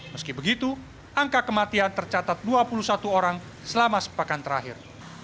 meski begitu angka kematian tercatat dua puluh satu orang selama sepekan terakhir